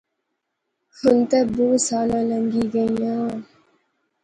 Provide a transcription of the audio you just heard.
ہن تہ بہوں سالاں لنگی گئیاں